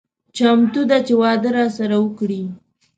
چمتو ده چې واده راسره وکړي.